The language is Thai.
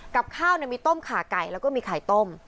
กับข้าวมีต้มขาไก่แล้วก็มีไข่ต้ม